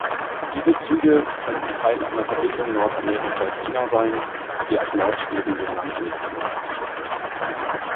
Diese Züge könnten Teil einer Verbindung Nordamerika–China sein, die ab Nordschweden den Landweg benutzt.